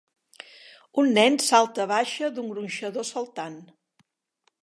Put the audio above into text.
Un nen salta baixa d'un gronxador saltant.